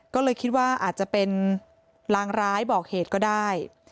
ก็เลยคิดว่าอาจจะเป็นลางร้ายบอกเหตุก็ได้